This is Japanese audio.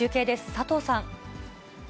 佐藤さん。